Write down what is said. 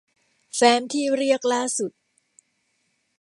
แฟ้มที่เรียกล่าสุด